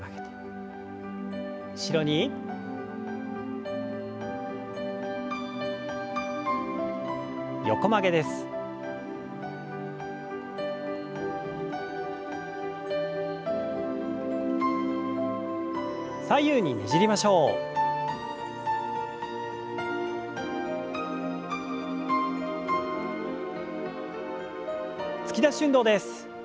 突き出し運動です。